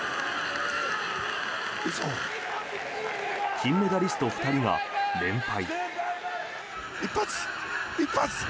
金メダリスト２人が連敗。